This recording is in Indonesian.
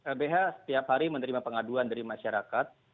lbh setiap hari menerima pengaduan dari masyarakat